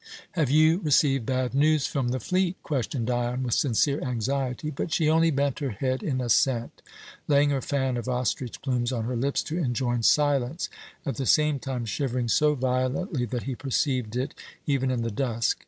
"Have you received bad news from the fleet?" questioned Dion, with sincere anxiety; but she only bent her head in assent, laying her fan of ostrich plumes on her lips to enjoin silence, at the same time shivering so violently that he perceived it, even in the dusk.